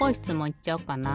いっちゃおうかな。